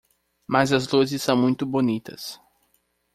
Mas as luzes são muito bonitas.